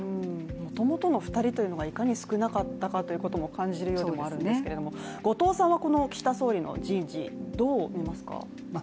もともとの２人というのがいかに少なかったかということも感じるものがありますけど後藤さんは岸田総理の人事、どう見ますか？